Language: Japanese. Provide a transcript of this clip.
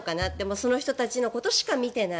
その人たちだけのことしか見ていない。